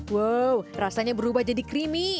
wow rasanya berubah jadi creamy